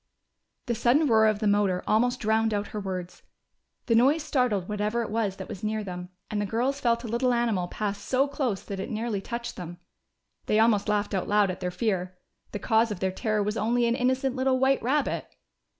The sudden roar of the motor almost drowned out her words. The noise startled whatever it was that was near them, and the girls felt a little animal pass so close that it nearly touched them. They almost laughed out loud at their fear: the cause of their terror was only an innocent little white rabbit!